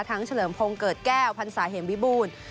เฉลิมพงศ์เกิดแก้วพันศาเหมวิบูรณ์